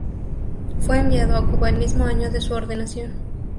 Fue enviado a Cuba el mismo año de su ordenación.